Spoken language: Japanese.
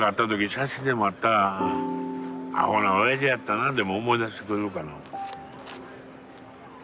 写真でもあったら「アホなオヤジやったな」でも思い出してくれるかな思て。